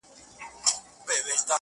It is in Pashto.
د دود وهلي ښار سپېڅلي خلگ لا ژونـدي دي _